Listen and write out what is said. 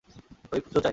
আমি পুত্র চাই।